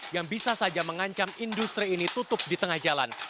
yang bisa saja mengancam industri ini tutup di tengah jalan